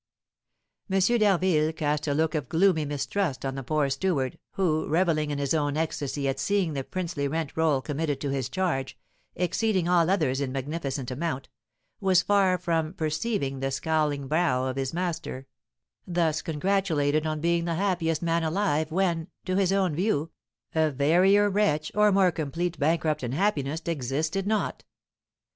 M. d'Harville cast a look of gloomy mistrust on the poor steward; who, revelling in his own ecstasy at seeing the princely rent roll committed to his charge, exceeding all others in magnificent amount, was far from perceiving the scowling brow of his master, thus congratulated on being the happiest man alive, when, to his own view, a verier wretch, or more complete bankrupt in happiness existed not.